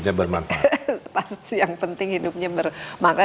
yang penting hidupnya bermakna